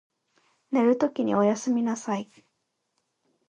寝るときにおやすみなさい。